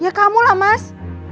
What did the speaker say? ya kamu lah mas